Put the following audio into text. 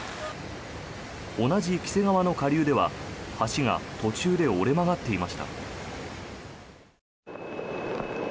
同じ黄瀬川の下流では、橋が途中で折れ曲がっていました。